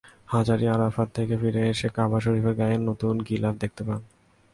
হাজিরা আরাফাত থেকে ফিরে এসে কাবা শরিফের গায়ে নতুন গিলাফ দেখতে পান।